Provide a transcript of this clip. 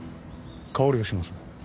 香りがしますね